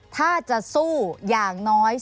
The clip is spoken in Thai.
ถ้าจะสู้อย่างน้อย